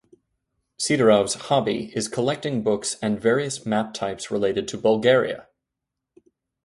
Siderov's hobby is collecting books and various map types related to Bulgaria.